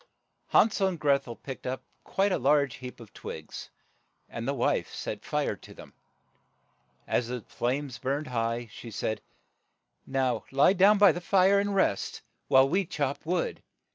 Han sel and Greth el picked up quite a large heap of twigs, and the wife set fire to them. As the flames burned high, she said, "Now lie down by the fire and rest, while we chop wood.